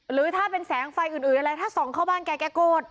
หรือถ้าเป็นแสงไฟอื่นอะไรถ้าส่องเข้าบ้านแกโกรธ